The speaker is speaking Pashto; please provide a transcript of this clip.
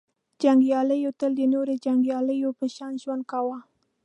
• جنګیالیو تل د نورو جنګیالیو په شان ژوند کاوه.